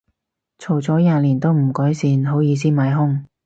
嘈咗廿年都唔改善，好意思買兇